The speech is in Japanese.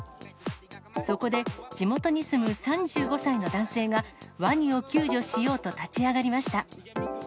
そこで、地元に住む３５歳の男性が、ワニを救助しようと立ち上がりました。